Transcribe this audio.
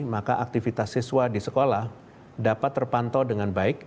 maka aktivitas siswa di sekolah dapat terpantau dengan baik